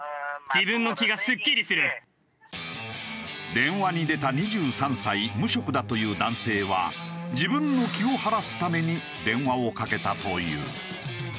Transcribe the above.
電話に出た２３歳無職だという男性は自分の気を晴らすために電話をかけたという。